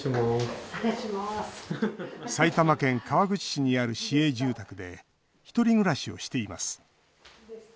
埼玉県川口市にある市営住宅で１人暮らしをしています。